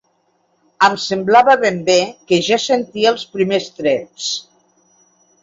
Em semblava ben bé que ja sentia els primers trets